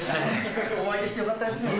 お会いできてよかったです。